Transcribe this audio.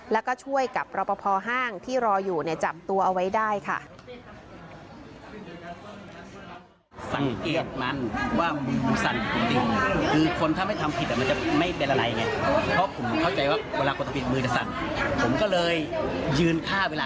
แล้วก็ช่วยกับรอปภห้างที่รออยู่เนี่ยจับตัวเอาไว้ได้ค่ะ